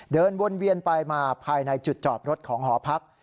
เดินวนเวียนไปมาภายในจุดจอดรถของหอพัก